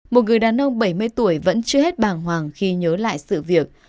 một người đàn ông bảy mươi tuổi vẫn chưa hết bàng hoàng khi nhớ lại sự việc